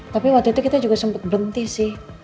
tapi waktu itu kita juga sempat berhenti sih